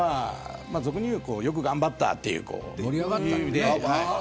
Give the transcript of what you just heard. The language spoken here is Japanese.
俗に言うよく頑張ったということです。